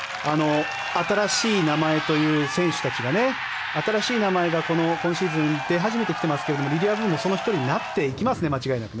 新しい名前という選手たちが新しい名前が今シーズン出始めてきていますけれどリリア・ブもその１人になっていきますね、間違いなく。